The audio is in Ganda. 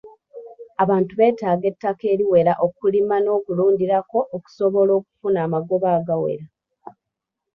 Abantu beetaaga ettaka eriwera okulima n'okulundirako okusobola okufuna amagoba agawera.